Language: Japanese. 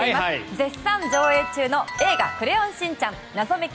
絶賛上映中の「映画クレヨンしんちゃん謎メキ！